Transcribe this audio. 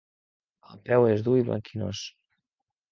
El peu és dur i blanquinós.